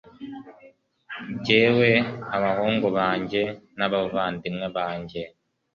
jyewe, abahungu banjye n'abavandimwe banjye